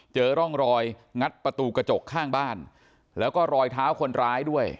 เจอร่องรอยงัดประตูกระจกข้างบ้านแล้วก็รอยเท้าคนร้ายด้วย